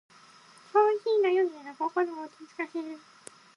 コーヒーの湯気が心を落ち着かせる。